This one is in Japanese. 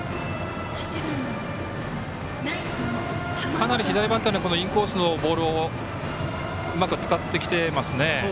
かなり左バッターにインコースのボールをうまく使ってきていますね。